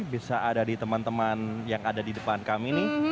bisa ada di teman teman yang ada di depan kami nih